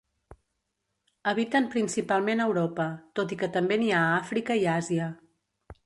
Habiten principalment Europa, tot i que també n'hi ha a Àfrica i Àsia.